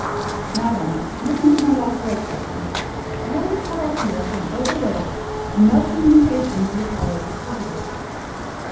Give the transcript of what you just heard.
"Now then, listen to my last words, Ayrton. You will be cut off here from all the world, and no communication with your fellows is possible.